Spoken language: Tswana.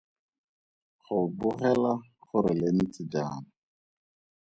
Go bogela gore le ntse jang.